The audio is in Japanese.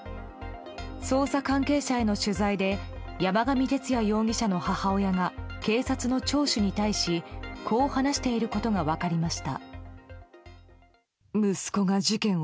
捜査関係者への取材で山上徹也容疑者の母親が警察の聴取に対しこう話していることが分かりました。